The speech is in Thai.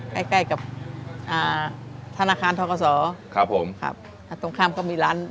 ใกล้ใกล้กับอ่าธนาคารทกศครับผมครับตรงข้ามก็มีร้าน